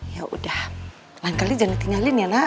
yaudah lain kali jangan ditinggalin ya nak